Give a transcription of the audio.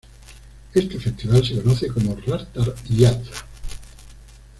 Este festival se conoce como Ratha-iatra.